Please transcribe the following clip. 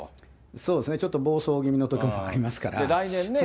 そうですね、ちょっと暴走気味のところもありますから。